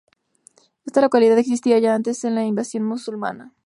Esta localidad existía ya antes de la invasión musulmana.